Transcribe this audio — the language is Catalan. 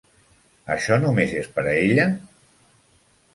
Això només és per a ella?